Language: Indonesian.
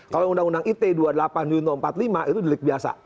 kalau undang undang it dua puluh delapan junto empat puluh lima itu delik biasa